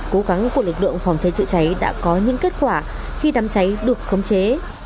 cố gắng của lực lượng phòng cháy chữa cháy đã có những kết quả khi đám cháy được khống chế